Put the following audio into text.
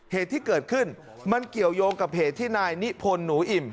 เหตุที่เกิดขึ้นมันเกี่ยวยงกับเหตุที่นายนิพนธ์หนูอิ่ม